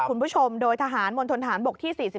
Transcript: คุณผู้ชมโดยทหารมณฑนฐานบกที่๔๔